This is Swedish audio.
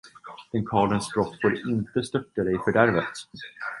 Den karlens brott får inte störta dig i fördärvet.